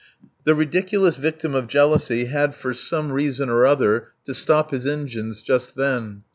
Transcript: The ridiculous victim of jealousy had for some reason or other to stop his engines just then.